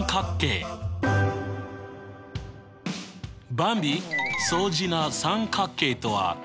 ばんび相似な三角形とは何か？